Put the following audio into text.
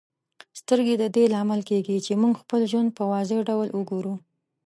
سترګې د دې لامل کیږي چې موږ خپل ژوند په واضح ډول وګورو.